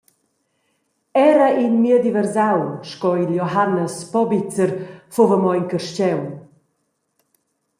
Era in miedi versau sco il Johannes Pobitzer fuva mo in carstgaun.